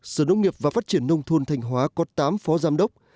sở nông nghiệp và phát triển nông thôn thành hóa có tám phó giám đốc